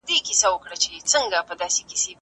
مخ پر قبله کښینئ او دعا وکړئ.